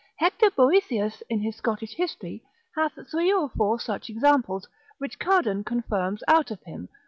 Hector Boethius, in his Scottish history, hath three or four such examples, which Cardan confirms out of him, lib.